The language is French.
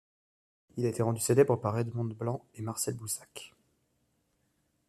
Il a été rendu célèbre par Edmond Blanc et Marcel Boussac.